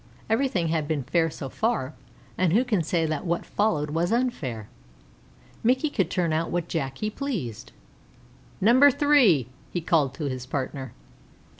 Everything had been fair so far, and who can say that what followed was unfair? Mickey could turn out which Jack he pleased. "Number three!" he called to his partner.